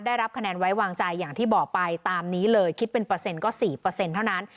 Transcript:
ได้รับคะแนนไว้วางใจอย่างที่บอกไปตามนี้เลยคิดเป็นเปอร์เซ็นต์ก็๔เท่านั้น